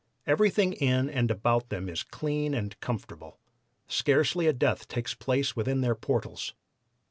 Everything in and about them is clean and comfortable; scarcely a death takes place within their portals.